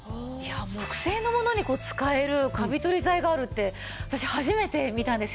木製のものに使えるカビ取り剤があるって私初めて見たんですよ。